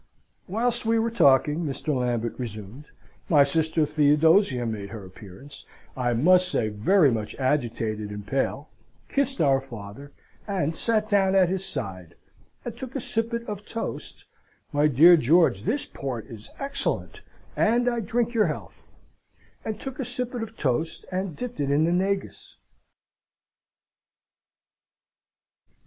"Whilst we were talking," Mr. Lambert resumed, "my sister Theodosia made her appearance, I must say very much agitated and pale, kissed our father, and sate down at his side, and took a sippet of toast (my dear George, this port is excellent, and I drink your health) and took a sippet of toast and dipped it in his negus.